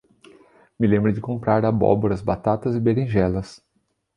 Me lembre de comprar abóboras, batatas e beringelas